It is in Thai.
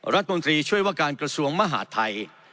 รัฐมนตรีช่วยว่าการกระทรวงมหาดไทย